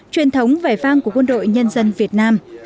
truyền thống vẻ vang của quân đội nhân dân việt nam